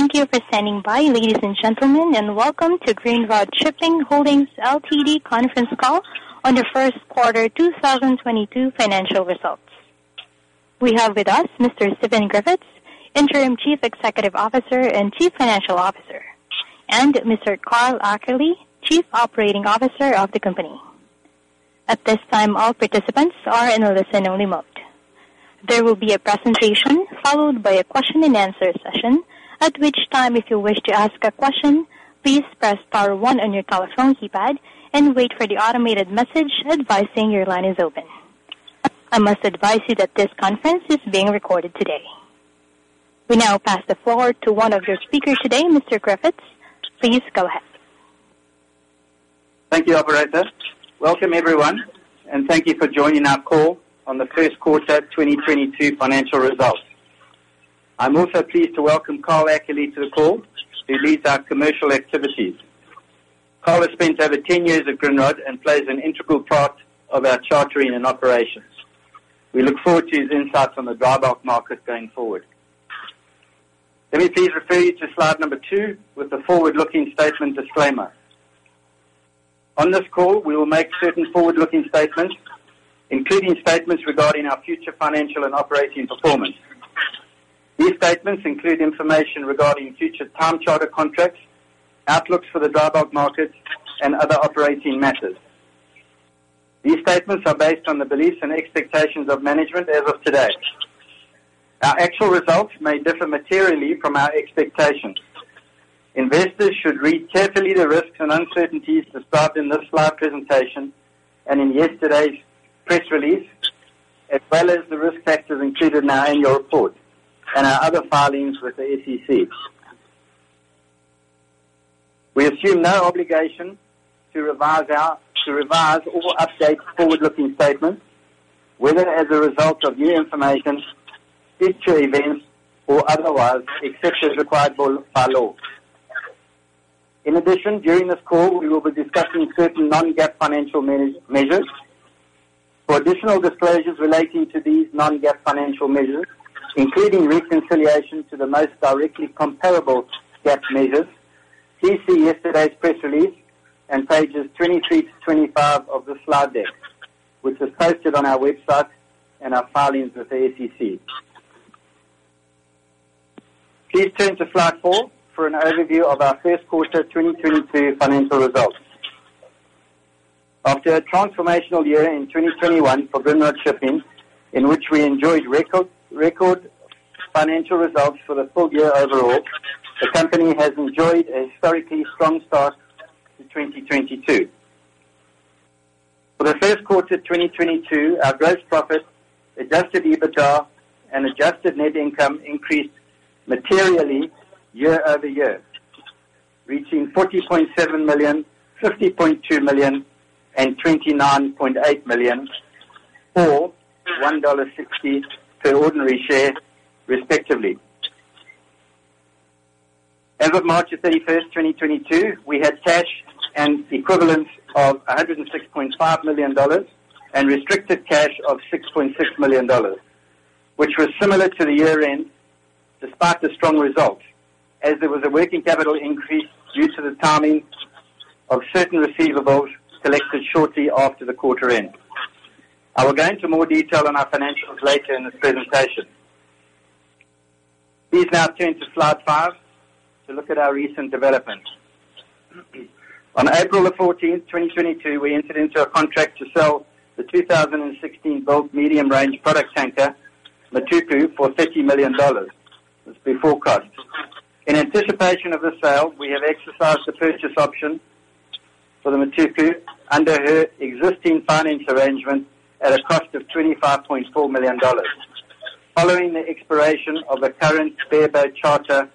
Thank you for standing by, ladies and gentlemen, and welcome to Grindrod Shipping Holdings Ltd. conference call on the first quarter 2022 financial results. We have with us Mr. Stephen Griffiths, Interim Chief Executive Officer and Chief Financial Officer, and Mr. Carl Ackerley, Chief Operating Officer of the company. At this time, all participants are in a listen-only mode. There will be a presentation followed by a question-and-answer session. At which time, if you wish to ask a question, please press star one on your telephone keypad and wait for the automated message advising your line is open. I must advise you that this conference is being recorded today. We now pass the floor to one of your speakers today, Mr. Griffiths. Please go ahead. Thank you, operator. Welcome, everyone, and thank you for joining our call on the first quarter 2022 financial results. I'm also pleased to welcome Carl Ackerley to the call, who leads our commercial activities. Carl has spent over 10 years at Grindrod and plays an integral part of our chartering and operations. We look forward to his insights on the dry bulk market going forward. Let me please refer you to slide number two with the forward-looking statement disclaimer. On this call, we will make certain forward-looking statements, including statements regarding our future financial and operating performance. These statements include information regarding future time charter contracts, outlooks for the dry bulk markets and other operating matters. These statements are based on the beliefs and expectations of management as of today. Our actual results may differ materially from our expectations. Investors should read carefully the risks and uncertainties described in this slide presentation and in yesterday's press release, as well as the risk factors included in our annual report and our other filings with the SEC. We assume no obligation to revise or update forward-looking statements, whether as a result of new information, future events or otherwise, except as required by law. In addition, during this call, we will be discussing certain non-GAAP financial measures. For additional disclosures relating to these non-GAAP financial measures, including reconciliation to the most directly comparable GAAP measures, please see yesterday's press release and pages 23-25 of the slide deck, which is posted on our website and our filings with the SEC. Please turn to slide four for an overview of our first quarter 2022 financial results. After a transformational year in 2021 for Grindrod Shipping, in which we enjoyed record financial results for the full year overall, the company has enjoyed a historically strong start to 2022. For the first quarter 2022, our gross profit, adjusted EBITDA and adjusted net income increased materially year-over-year, reaching $40.7 million, $50.2 million and $29.8 million or $1.60 per ordinary share, respectively. As of March 31st, 2022, we had cash and equivalents of $106.5 million and restricted cash of $6.6 million, which was similar to the year-end despite the strong results, as there was a working capital increase due to the timing of certain receivables collected shortly after the quarter end. I will go into more detail on our financials later in this presentation. Please now turn to slide five to look at our recent developments. On April 14th, 2022, we entered into a contract to sell the 2016-built medium-range product tanker Matuku for $30 million. That's before cost. In anticipation of the sale, we have exercised the purchase option for the Matuku under her existing finance arrangement at a cost of $25.4 million, following the expiration of the current bareboat charter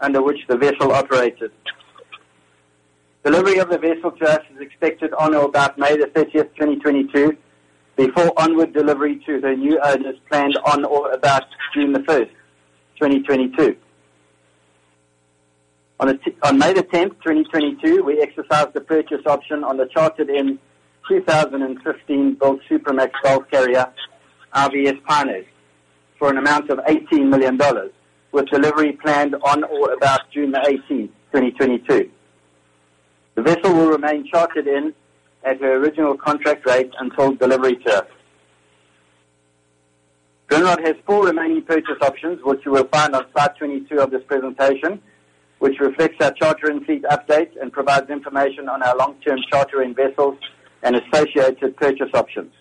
under which the vessel operated. Delivery of the vessel to us is expected on or about May 30, 2022, before onward delivery to the new owner is planned on or about June 1st, 2022. On May 10th, 2022, we exercised the purchase option on the chartered in 2015-built Supramax bulk carrier IVS Pinehurst for an amount of $18 million, with delivery planned on or about June 18th, 2022. The vessel will remain chartered in at her original contract rate until delivery to us. Grindrod has four remaining purchase options, which you will find on slide 22 of this presentation, which reflects our charter and fleet updates and provides information on our long-term chartering vessels and associated purchase options.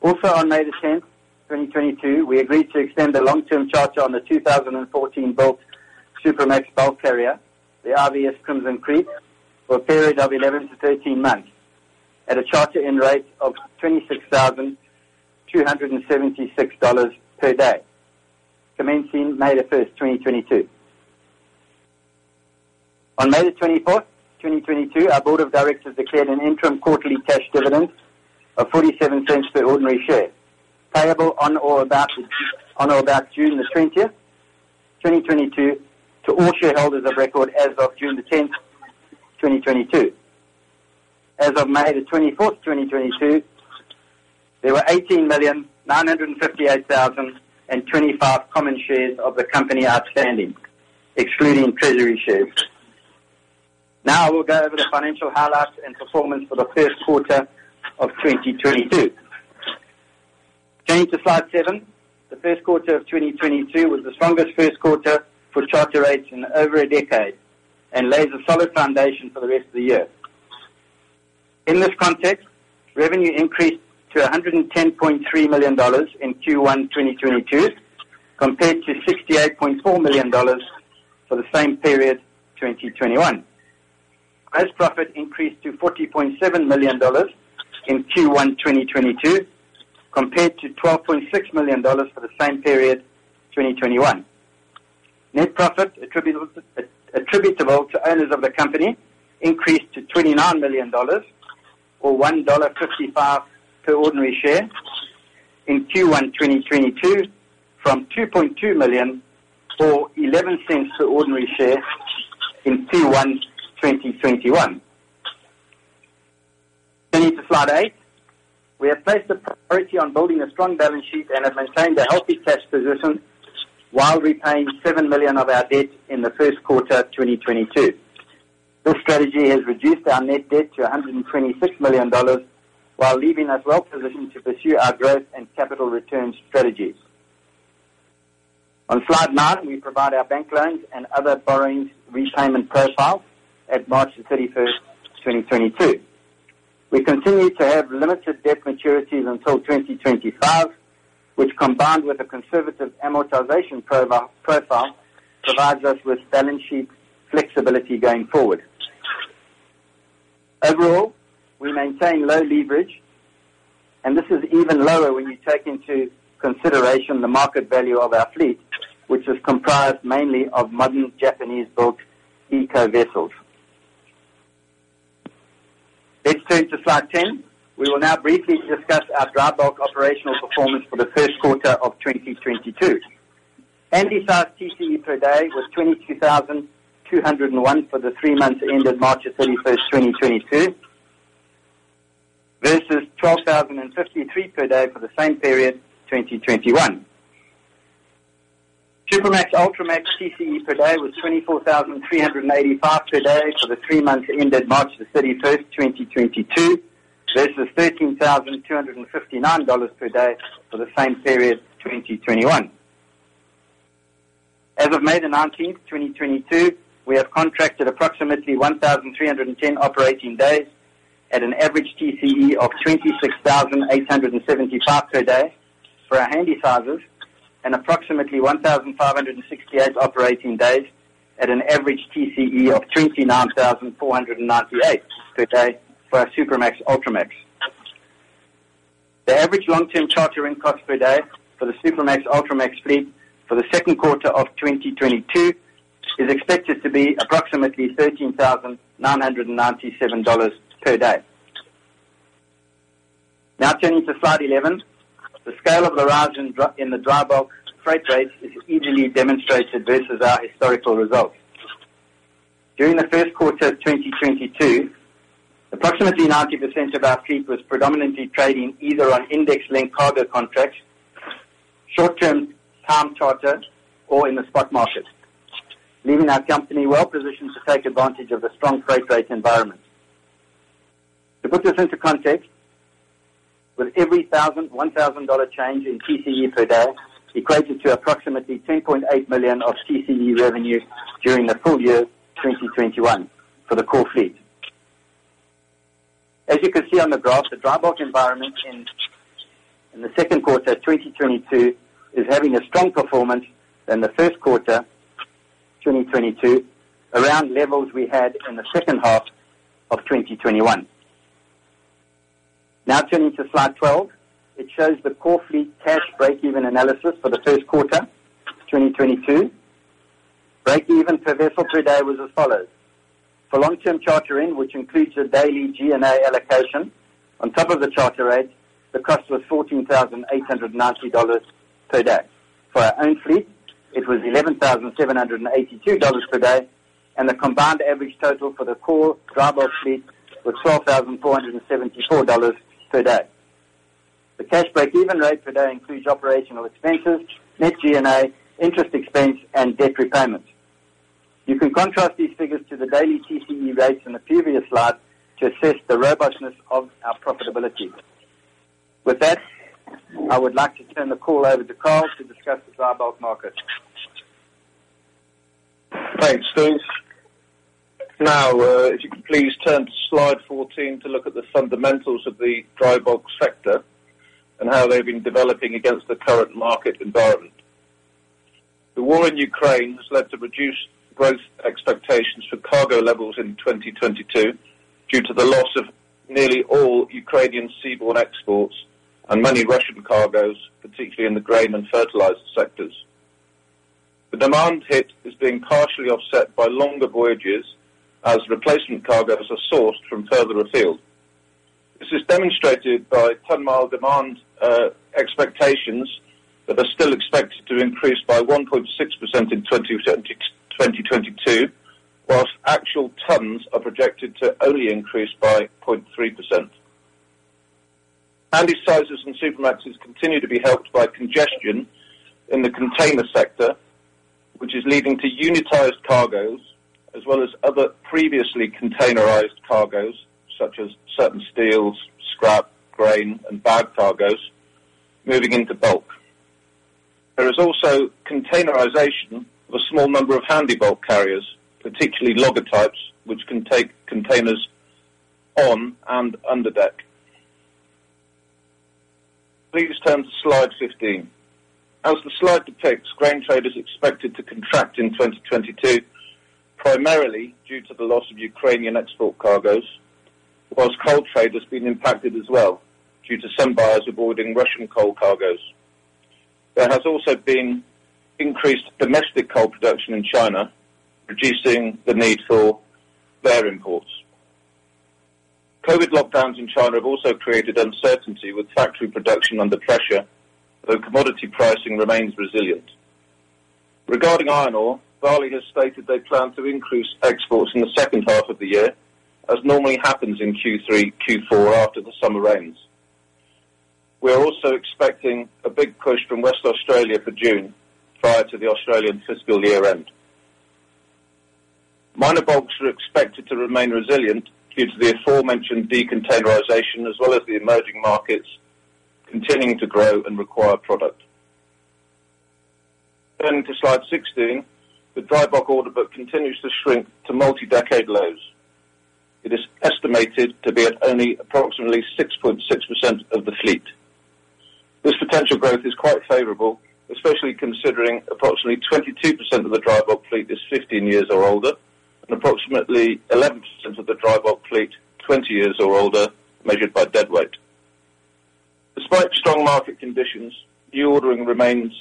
Also on May 10th, 2022, we agreed to extend the long-term charter on the 2014-built Supramax bulk carrier, the IVS Crimson Creek, for a period of 11-13 months at a charterhire rate of $26,276 per day commencing May 1st, 2022. On May 24th, 2022, our board of directors declared an interim quarterly cash dividend of $0.47 per ordinary share, payable on or about June20th, 2022 to all shareholders of record as of June 10th, 2022. As of May 24th, 2022, there were 18,958,025 common shares of the company outstanding, excluding treasury shares. Now I will go over the financial highlights and performance for the first quarter of 2022. Turning to slide seven. The first quarter of 2022 was the strongest first quarter for charter rates in over a decade and lays a solid foundation for the rest of the year. In this context, revenue increased to $110.3 million in Q1 2022, compared to $68.4 million for the same period 2021. Gross profit increased to $40.7 million in Q1 2022, compared to $12.6 million for the same period 2021. Net profit attributable to owners of the company increased to $29 million or $1.55 per ordinary share in Q1 2022 from $2.2 million or $0.11 per ordinary share in Q1 2021. Turning to slide eight. We have placed a priority on building a strong balance sheet and have maintained a healthy cash position while repaying $7 million of our debt in the first quarter of 2022. This strategy has reduced our net debt to $126 million while leaving us well positioned to pursue our growth and capital return strategies. On slide nine, we provide our bank loans and other borrowings repayment profile at March 31st, 2022. We continue to have limited debt maturities until 2025, which combined with a conservative amortization profile, provides us with balance sheet flexibility going forward. Overall, we maintain low leverage, and this is even lower when you take into consideration the market value of our fleet, which is comprised mainly of modern Japanese-built eco vessels. Let's turn to slide 10. We will now briefly discuss our dry bulk operational performance for the first quarter of 2022. Handysize TCE per day was $22,201 for the three months ended March 31st, 2022, versus $12,053 per day for the same period, 2021. Supramax, Ultramax TCE per day was $24,385 per day for the three months ended March 31st, 2022, versus $13,259 per day for the same period, 2021. As of May 19th, 2022, we have contracted approximately 1,310 operating days at an average TCE of $26,875 per day for our Handysizes, and approximately 1,568 operating days at an average TCE of $29,498 per day for our Supramax, Ultramax. The average long-term chartering cost per day for the Supramax, Ultramax fleet for the second quarter of 2022 is expected to be approximately $13,997 per day. Now turning to slide 11. The scale of the rise in the dry bulk freight rates is easily demonstrated versus our historical results. During the first quarter of 2022, approximately 90% of our fleet was predominantly trading either on index linked cargo contracts, short-term time charter or in the spot market, leaving our company well positioned to take advantage of the strong freight rate environment. To put this into context, with every $1,000 change in TCE per day equated to approximately $10.8 million of TCE revenue during the full year 2021 for the core fleet. As you can see on the graph, the dry bulk environment in the second quarter of 2022 is having a stronger performance than the first quarter 2022 around levels we had in the second half of 2021. Now turning to slide 12. It shows the core fleet cash breakeven analysis for the first quarter 2022. Breakeven per vessel per day was as follows: For long-term chartering, which includes the daily G&A allocation on top of the charter rate, the cost was $14,890 per day. For our own fleet, it was $11,782 per day, and the combined average total for the core dry bulk fleet was $12,474 per day. The cash breakeven rate per day includes operational expenses, net G&A, interest expense and debt repayment. You can contrast these figures to the daily TCE rates in the previous slide to assess the robustness of our profitability. With that, I would like to turn the call over to Carl to discuss the dry bulk market. Thanks, Stephen. Now, if you could please turn to slide 14 to look at the fundamentals of the dry bulk sector and how they've been developing against the current market environment. The war in Ukraine has led to reduced growth expectations for cargo levels in 2022 due to the loss of nearly all Ukrainian seaborne exports and many Russian cargoes, particularly in the grain and fertilizer sectors. The demand hit is being partially offset by longer voyages as replacement cargoes are sourced from further afield. This is demonstrated by ton-mile demand expectations that are still expected to increase by 1.6% in 2022, while actual tons are projected to only increase by 0.3%. Handysizes and Supramaxes continue to be helped by congestion in the container sector, which is leading to unitized cargoes as well as other previously containerized cargoes, such as certain steels, scrap, grain and bag cargoes moving into bulk. There is also containerization of a small number of handy bulk carriers, particularly logger types, which can take containers on and under deck. Please turn to slide 15. As the slide depicts, grain trade is expected to contract in 2022, primarily due to the loss of Ukrainian export cargoes, while coal trade has been impacted as well due to some buyers avoiding Russian coal cargoes. There has also been increased domestic coal production in China, reducing the need for their imports. COVID lockdowns in China have also created uncertainty with factory production under pressure, though commodity pricing remains resilient. Regarding iron ore, Vale has stated they plan to increase exports in the second half of the year, as normally happens in Q3, Q4 after the summer rains. We are also expecting a big push from Western Australia for June prior to the Australian fiscal year end. Minor bulks are expected to remain resilient due to the aforementioned decontainerization, as well as the emerging markets continuing to grow and require product. Turning to slide 16. The dry bulk order book continues to shrink to multi-decade lows. It is estimated to be at only approximately 6.6% of the fleet. This potential growth is quite favorable, especially considering approximately 22% of the dry bulk fleet is 15 years or older, and approximately 11% of the dry bulk fleet, 20 years or older, measured by deadweight. Despite strong market conditions, new ordering remains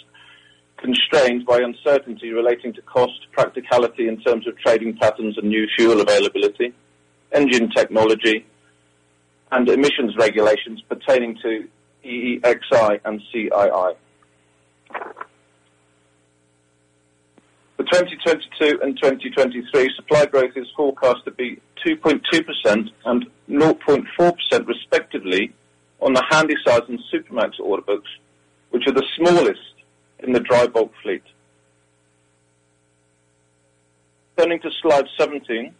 constrained by uncertainty relating to cost practicality in terms of trading patterns and new fuel availability, engine technology and emissions regulations pertaining to EEXI and CII. For 2022 and 2023, supply growth is forecast to be 2.2% and 0.4% respectively on the Handysize and Supramax order books, which are the smallest in the dry bulk fleet. Turning to slide 17.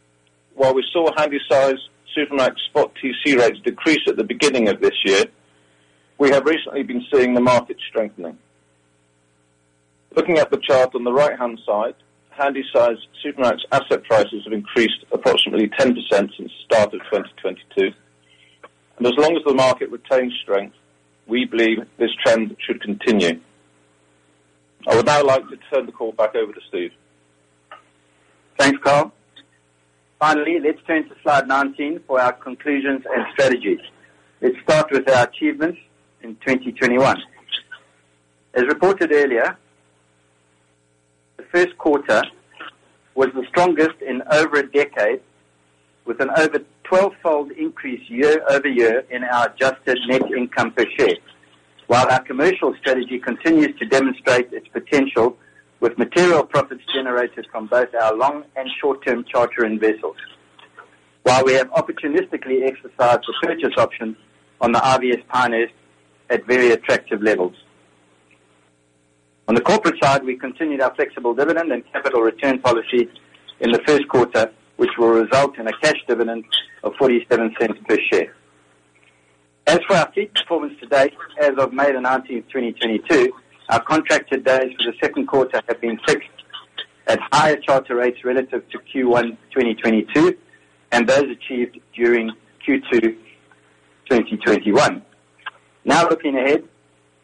While we saw Handysize, Supramax spot TC rates decrease at the beginning of this year, we have recently been seeing the market strengthening. Looking at the chart on the right-hand side, Handysize, Supramax asset prices have increased approximately 10% since the start of 2022. As long as the market retains strength, we believe this trend should continue. I would now like to turn the call back over to Stephen. Thanks, Carl. Finally, let's turn to slide 19 for our conclusions and strategies. Let's start with our achievements in 2021. As reported earlier, the first quarter was the strongest in over a decade, with an over 12-fold increase year-over-year in our adjusted net income per share. While our commercial strategy continues to demonstrate its potential with material profits generated from both our long- and short-term charter-in vessels. While we have opportunistically exercised the purchase options on the IVS Pinehurst at very attractive levels. On the corporate side, we continued our flexible dividend and capital return policy in the first quarter, which will result in a cash dividend of $0.47 per share. As for our fleet performance to date, as of May 19th, 2022, our contracted days for the second quarter have been fixed at higher charter rates relative to Q1 2022, and those achieved during Q2 2021. Now looking ahead,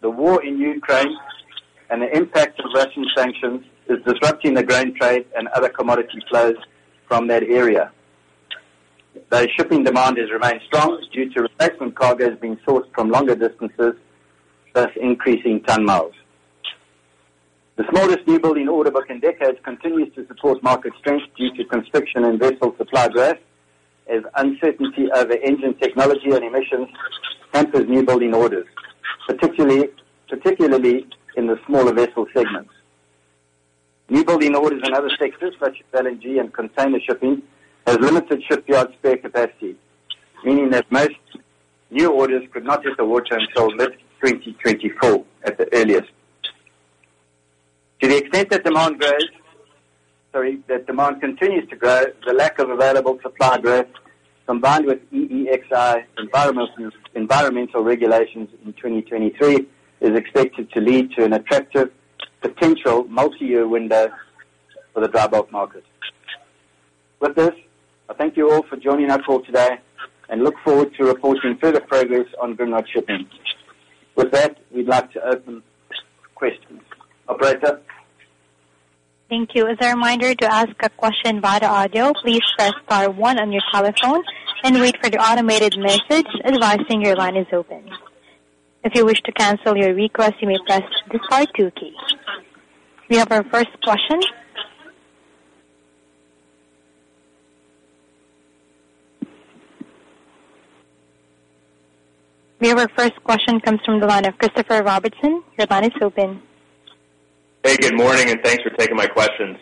the war in Ukraine and the impact of Russian sanctions is disrupting the grain trade and other commodity flows from that area. The shipping demand has remained strong due to replacement cargoes being sourced from longer distances, thus increasing ton-miles. The smallest new building order book in decades continues to support market strength due to constriction in vessel supply growth, as uncertainty over engine technology and emissions hampers new building orders, particularly in the smaller vessel segments. Newbuilding orders in other sectors such as LNG and container shipping has limited shipyard spare capacity, meaning that most new orders could not hit the water until mid-2024 at the earliest. To the extent that demand continues to grow, the lack of available supply growth combined with EEXI environmental regulations in 2023 is expected to lead to an attractive potential multi-year window for the dry bulk market. With this, I thank you all for joining our call today and look forward to reporting further progress on Grindrod Shipping. With that, we'd like to open questions. Operator? Thank you. As a reminder to ask a question via the audio, please press star one on your telephone and wait for the automated message advising your line is open. If you wish to cancel your request, you may press the star two key. We have our first question. We have our first question comes from the line of Christopher Robertson. Your line is open. Hey, good morning, and thanks for taking my questions.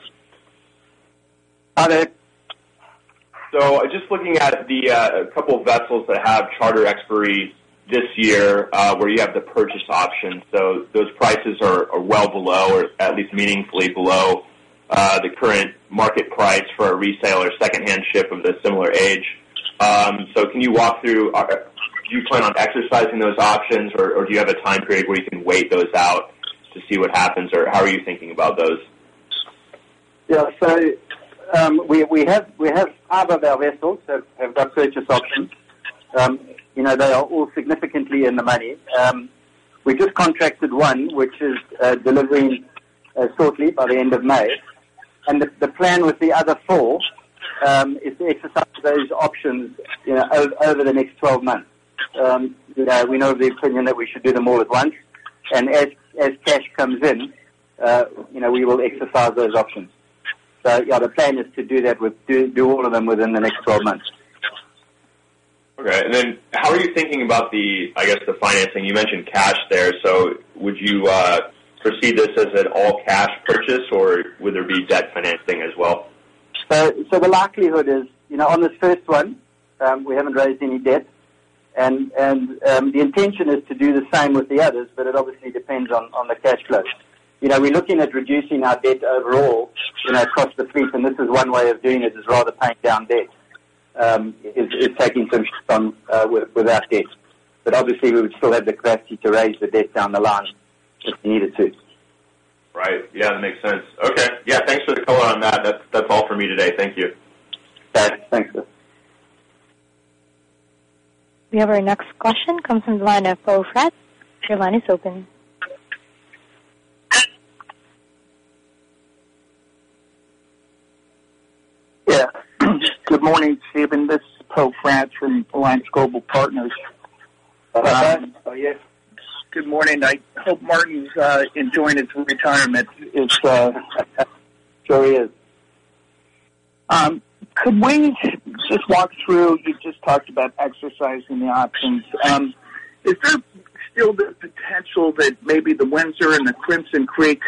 Hi there. Just looking at the couple of vessels that have charter expiration this year, where you have the purchase option. Those prices are well below or at least meaningfully below the current market price for a resale second-hand ship of the similar age. Can you walk through, do you plan on exercising those options or do you have a time period where you can wait those out to see what happens? Or how are you thinking about those? Yeah. We have five of our vessels that have got purchase options. You know, they are all significantly in the money. We just contracted one which is delivering shortly by the end of May. The plan with the other four is to exercise those options, you know, over the next 12 months. You know, we know the opinion that we should do them all at once. As cash comes in, you know, we will exercise those options. Yeah, the plan is to do all of them within the next 12 months. Okay. How are you thinking about the, I guess, the financing? You mentioned cash there, so would you perceive this as an all cash purchase or would there be debt financing as well? The likelihood is, you know, on this first one, we haven't raised any debt. The intention is to do the same with the others, but it obviously depends on the cash flow. You know, we're looking at reducing our debt overall, you know, across the fleet, and this is one way of doing it, is rather than paying down debt, is taking some with our debt. Obviously we would still have the capacity to raise the debt down the line if we needed to. Right. Yeah, that makes sense. Okay. Yeah, thanks for the color on that. That's all for me today. Thank you. Okay, thanks. We have our next question comes from the line of Poe Fratt. Your line is open. Yeah. Good morning, Stephen. This is Poe Fratt from Alliance Global Partners. Hi, Poe. How are you? Good morning. I hope Martin's enjoying his retirement. Sure he is. Could we just walk through, you just talked about exercising the options? Is there still the potential that maybe the Windsor and the Crimson Creek,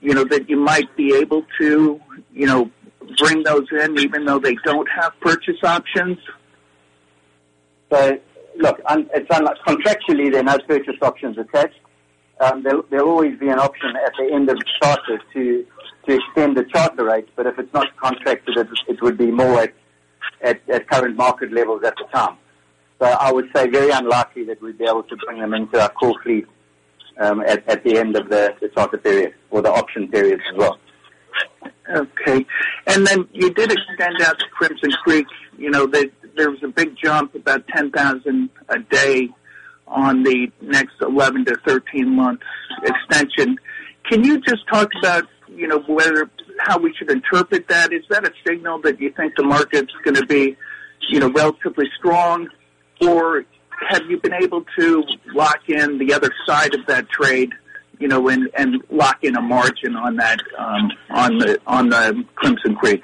you know, that you might be able to, you know, bring those in even though they don't have purchase options? Look, it's not like contractually, there are no purchase options attached. There'll always be an option at the end of the charter to extend the charter rates, but if it's not contracted, it would be at current market levels at the time. I would say very unlikely that we'd be able to bring them into our core fleet, at the end of the charter period or the option period as well. Okay. You did extend out the Crimson Creek. You know, there was a big jump, about 10,000 a day on the next 11-13 month extension. Can you just talk about, you know, whether, how we should interpret that? Is that a signal that you think the market's gonna be, you know, relatively strong, or have you been able to lock in the other side of that trade, you know, and lock in a margin on that, on the Crimson Creek?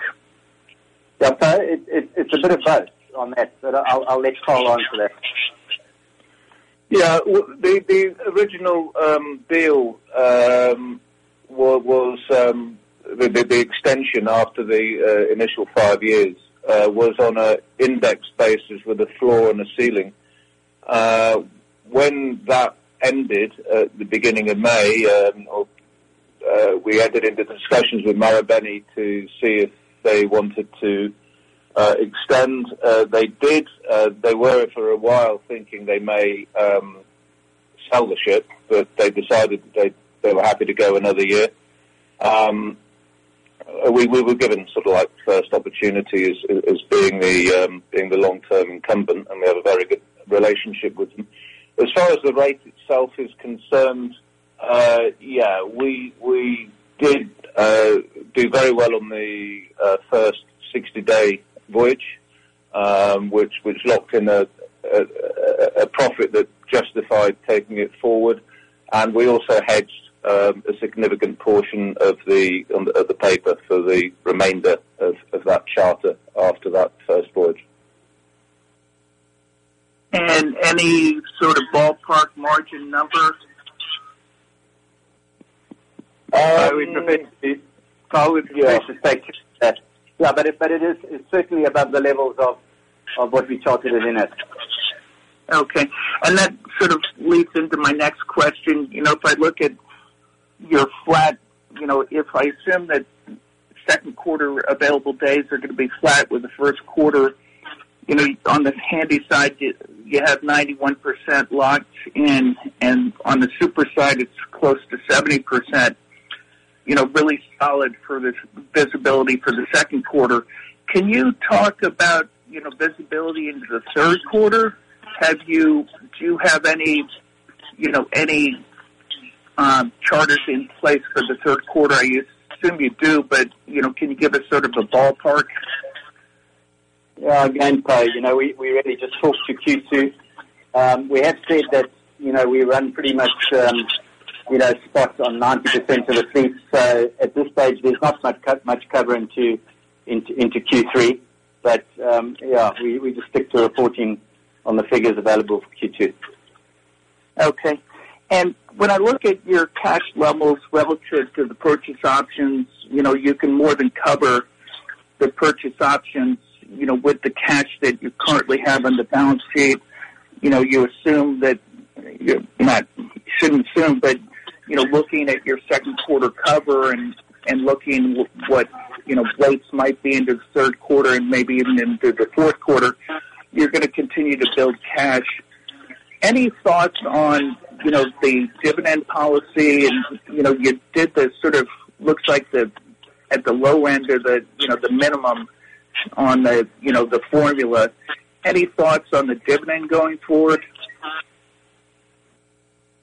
Yeah, it's a bit of both on that, but I'll let Carl answer that. Well, the original deal was the extension after the initial five years was on an index basis with a floor and a ceiling. When that ended at the beginning of May, we entered into discussions with Marubeni to see if they wanted to extend. They did. They were for a while thinking they may sell the ship, but they decided they were happy to go another year. We were given sort of like first opportunity as being the long term incumbent, and we have a very good relationship with them. As far as the rate itself is concerned, yeah, we did do very well on the first 60-day voyage, which locked in a profit that justified taking it forward. We also hedged a significant portion of the paper for the remainder of that charter after that first voyage. Any sort of ballpark margin number? I would prefer to be. Carl would be able to take that. Yeah, but it is. It's certainly above the levels of what we charted it in at. Okay. That sort of leads into my next question. You know, if I look at your fleet, you know, if I assume that second quarter available days are gonna be flat with the first quarter, you know, on the Handysize side you have 91% locked in and on the Supramax side it's close to 70%, you know, really solid for this visibility for the second quarter. Can you talk about, you know, visibility into the third quarter? Do you have any charters in place for the third quarter? I assume you do, but, you know, can you give us sort of a ballpark? Yeah, again, Poe, you know, we really just talked through Q2. We have said that, you know, we run pretty much spot on 90% of the fleet. At this stage, there's not much cover into Q3. But yeah, we just stick to reporting on the figures available for Q2. Okay. When I look at your cash levels relative to the purchase options, you know, you can more than cover the purchase options, you know, with the cash that you currently have on the balance sheet. You know, you shouldn't assume, but, you know, looking at your second quarter cover and looking what, you know, rates might be into third quarter and maybe even into the fourth quarter, you're gonna continue to build cash. Any thoughts on, you know, the dividend policy? You know, you did the sort of looks like the, at the low end or the, you know, the minimum on the, you know, the formula. Any thoughts on the dividend going forward?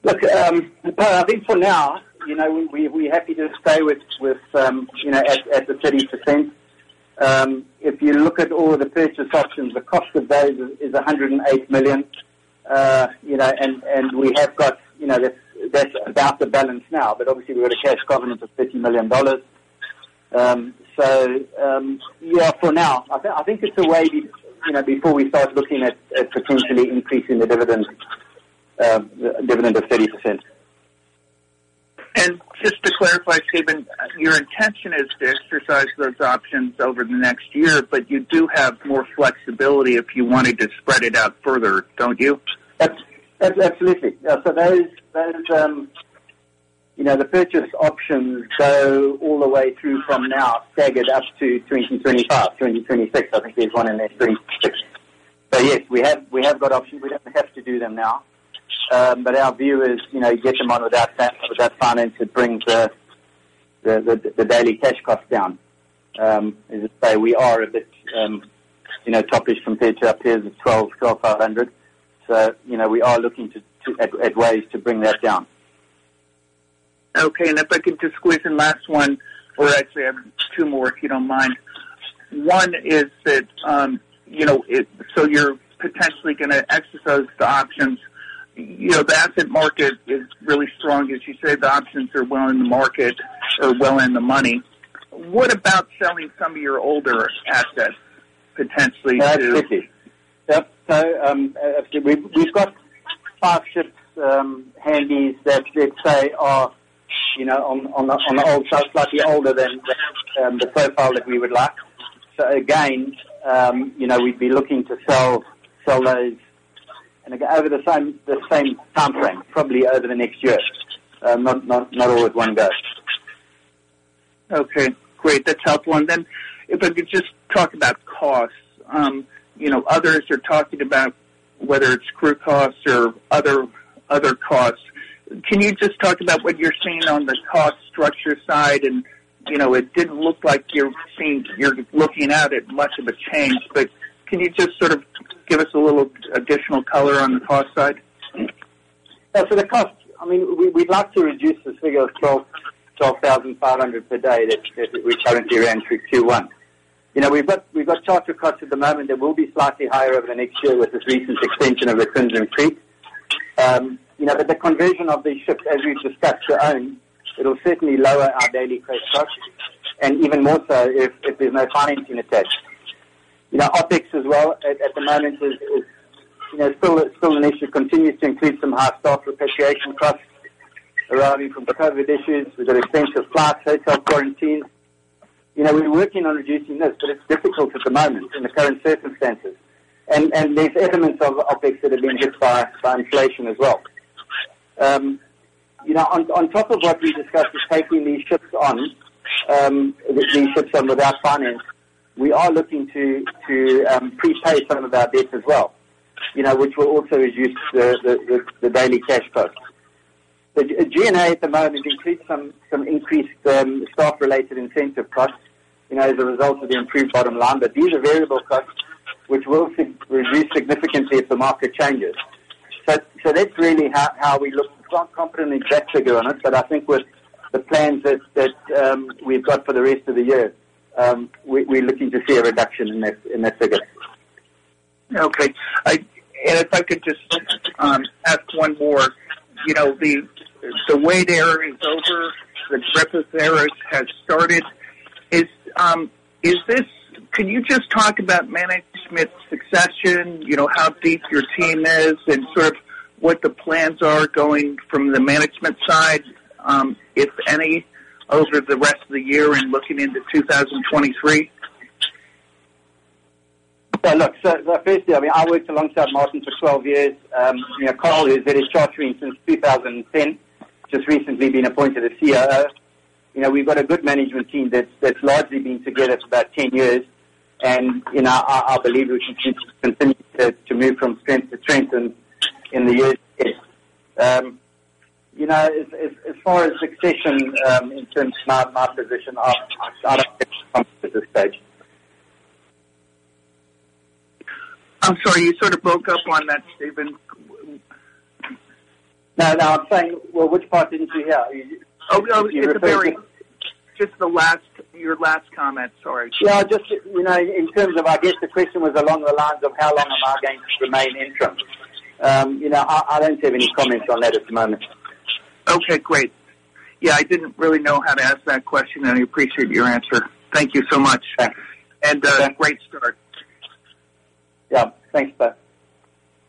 Look, Poe, I think for now, you know, we're happy to stay with you know at the 30%. If you look at all the purchase options, the cost of those is $108 million. You know, and we have got, you know, that's about the balance now, but obviously we've got a cash covenant of $50 million. So, yeah, for now, I think it's a way, you know, before we start looking at potentially increasing the dividend of 30%. Just to clarify, Stephen, your intention is to exercise those options over the next year, but you do have more flexibility if you wanted to spread it out further, don't you? Absolutely. Yeah, so those, you know, the purchase options go all the way through from now staggered up to 2025, 2026. I think there's one in there, 2026. Yes, we have got options. We don't have to do them now. But our view is, you know, you get them owned without that, without finance, it brings the daily cash costs down. As I say, we are a bit, you know, toppish compared to our peers at $12,500. You know, we are looking at ways to bring that down. Okay. If I could just squeeze in last one or actually I have two more, if you don't mind. One is that, you know, you're potentially gonna exercise the options. You know, the asset market is really strong. As you say, the options are well in the market or well in the money. What about selling some of your older assets potentially to- Absolutely. Yep. We've got five ships, Handysize that are, you know, on the old, slightly older than the profile that we would like. Again, you know, we'd be looking to sell those over the same timeframe, probably over the next year. Not all at one go. Okay, great. That's helpful. Then if I could just talk about costs. You know, others are talking about whether it's crew costs or other costs. Can you just talk about what you're seeing on the cost structure side? You know, it didn't look like you're seeing much of a change, but can you just sort of give us a little additional color on the cost side? Yeah. The cost, I mean, we'd like to reduce this figure of $12,500 per day that we currently ran through Q1. You know, we've got charter costs at the moment that will be slightly higher over the next year with this recent extension of the Supramax fleet. You know, the conversion of these ships as we've discussed to own, it'll certainly lower our daily cost structure and even more so if there's no financing attached. You know, OpEx as well at the moment is still an issue, continues to increase some high staff repatriation costs arising from the COVID issues. We've got extensive flights, hotel quarantines. You know, we're working on reducing this, but it's difficult at the moment in the current circumstances. There's elements of OpEx that have been hit by inflation as well. You know, on top of what we discussed with taking these ships on, these ships on without finance, we are looking to prepay some of our debts as well, you know, which will also reduce the daily cash costs. The G&A at the moment has increased some increased staff related incentive costs, you know, as a result of the improved bottom line. These are variable costs, which will reduce significantly if the market changes. That's really how we look. It's not confidently exact figure on it, but I think with the plans that we've got for the rest of the year, we are looking to see a reduction in that figure. Okay. If I could just ask one more. You know, the wait there is over, the breakfast there has started. Can you just talk about management succession, you know, how deep your team is and sort of what the plans are going from the management side, if any, over the rest of the year and looking into 2023? Yeah, look, firstly, I mean, I worked alongside Martin for 12 years. You know, Carl, who's been chartering since 2010, just recently been appointed as COO. You know, we've got a good management team that's largely been together for about 10 years. You know, I believe we should continue to move from strength to strength in the years ahead. You know, as far as succession, in terms of my position, I don't think at this stage. I'm sorry. You sort of broke up on that, Stephen. No, no, I'm saying. Well, which part didn't you hear? Just the last, your last comment. Sorry. Yeah, just, you know, in terms of, I guess the question was along the lines of how long am I going to remain interim. You know, I don't have any comments on that at the moment. Okay, great. Yeah, I didn't really know how to ask that question, and I appreciate your answer. Thank you so much. Thanks. Great start. Yeah. Thanks, Poe.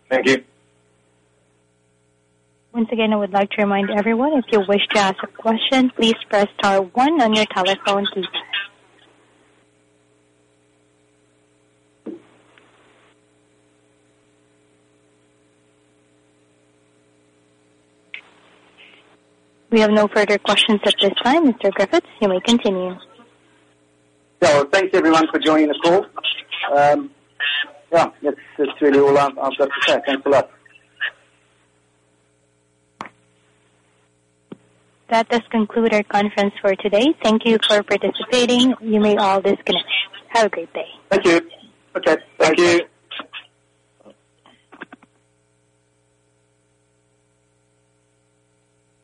Thank you. Once again, I would like to remind everyone, if you wish to ask a question, please press star one on your telephone keypad. We have no further questions at this time. Mr. Griffiths, you may continue. Thanks everyone for joining the call. Yeah, that's really all I've got to say. Thanks a lot. That does conclude our conference for today. Thank you for participating. You may all disconnect. Have a great day. Thank you. Okay. Thank you. Thank you.